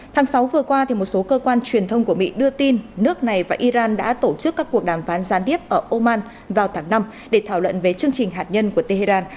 tháng sáu vừa qua một số cơ quan truyền thông của mỹ đưa tin nước này và iran đã tổ chức các cuộc đàm phán gián tiếp ở oman vào tháng năm để thảo luận về chương trình hạt nhân của tehran